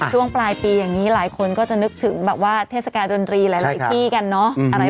ช่วงปลายปีอย่างนี้หลายคนก็จะนึกถึงแบบว่าเทศกาลดนตรีหลายที่กันเนาะ